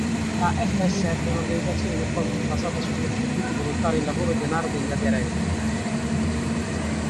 La FSF è un'organizzazione no profit basata su contributi volontari in lavoro e denaro degli aderenti.